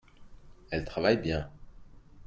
elle travaille bien.